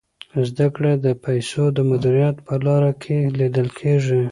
زده کړه د پیسو د مدیریت په لاره کي لیدل کیږي.